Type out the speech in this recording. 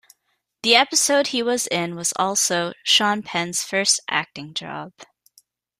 The episode he was in was also Sean Penn's first acting job.